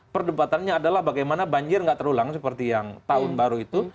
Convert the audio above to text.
perdebatannya adalah bagaimana banjir nggak terulang seperti yang tahun baru itu